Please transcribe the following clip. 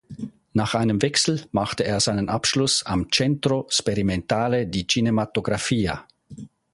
Nach einem Wechsel machte er seinen Abschluss am "Centro Sperimentale di Cinematografia".